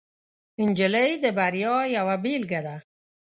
نجلۍ د بریا یوه بیلګه ده.